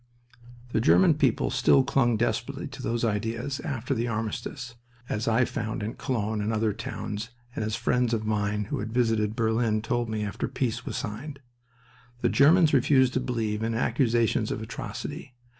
The German people still clung desperately to those ideas after the armistice, as I found in Cologne and other towns, and as friends of mine who had visited Berlin told me after peace was signed. The Germans refused to believe in accusations of atrocity.